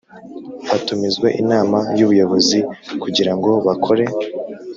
Hatumizwa Inama y Ubuyobozi kugira ngo bakore